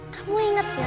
kamu inget gak